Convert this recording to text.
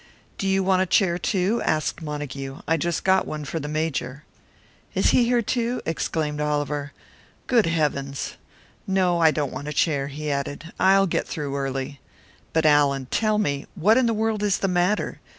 "Do you want a chair, too?" asked Montague. "I just got one for the Major." "Is he here, too?" exclaimed Oliver. "Good Heavens! No, I don't want a chair," he added, "I'll get through early. But, Allan, tell me what in the world is the matter?